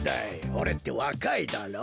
おれってわかいだろ？